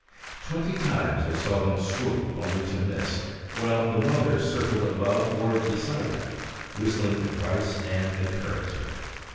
Twenty times I saw them swoop only to miss, while the mother circled above or beside them, whistling advice and encouragement.